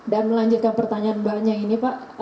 dan melanjutkan pertanyaan mbaknya ini pak